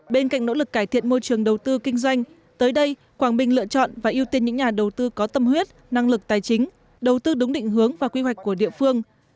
bên cạnh nỗ lực cải thiện môi trường đầu tư kinh doanh tới đây quảng bình lựa chọn và ưu tiên những nhà đầu tư có tâm huyết năng lực tài chính đầu tư đúng định hướng và quy hoạch của địa phương